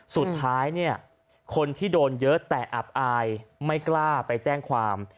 สุดท้ายเนี่ยคนที่โดนเยอะแต่อับอายไม่กล้าไปแจ้งความ